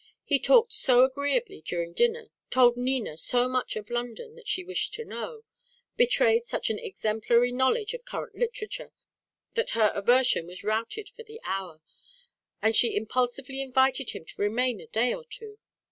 He talked so agreeably during dinner, told Nina so much of London that she wished to know, betrayed such an exemplary knowledge of current literature, that her aversion was routed for the hour, and she impulsively invited him to remain a day or two.